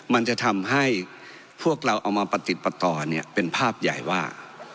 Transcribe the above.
มันจะทำให้พวกเราเอามาประติดประต่อเนี่ยเป็นภาพใหญ่ว่า